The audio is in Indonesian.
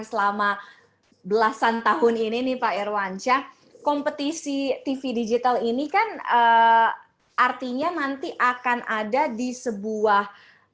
selama belasan tahun ini nih pak irwansyah kompetisi tv digital ini kan artinya nanti akan ada di sebuah